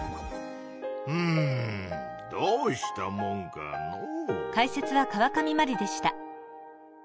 うんどうしたもんかのう。